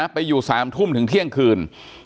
ไปอยู่๓ทุ่มถึงเที่ยงคืน